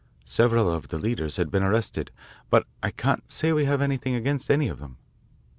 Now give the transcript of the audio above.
Several of the leaders have been arrested, but I can't say we have anything against any of them.